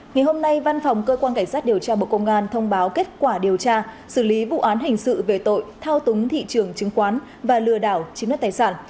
ngày hôm nay văn phòng cơ quan cảnh sát điều tra bộ công an thông báo kết quả điều tra xử lý vụ án hình sự về tội thao túng thị trường chứng khoán và lừa đảo chiếm đất tài sản